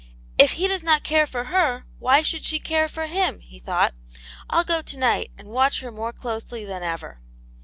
" If he does not care for her, why should she care for him .?" he thought. " I'll go to night and watch her more closely than ever."